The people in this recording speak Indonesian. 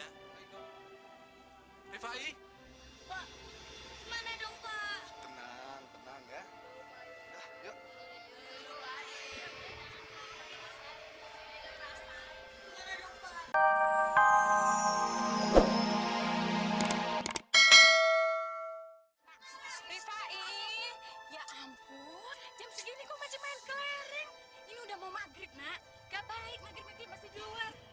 hai riva ii pak mana dong pak tenang tenang ya udah yuk